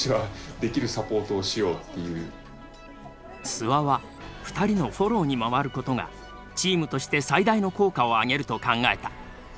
諏訪は２人のフォローに回ることがチームとして最大の効果を上げると考えた。